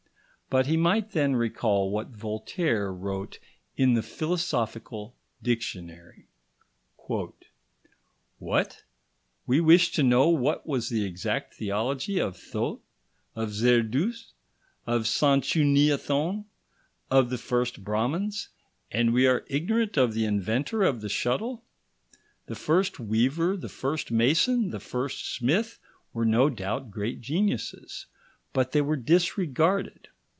But he might then recall what Voltaire wrote in the Philosophical Dictionary: "What! We wish to know what was the exact theology of Thot, of Zerdust, of Sanchuniathon, of the first Brahmins, and we are ignorant of the inventor of the shuttle! The first weaver, the first mason, the first smith, were no doubt great geniuses, but they were disregarded.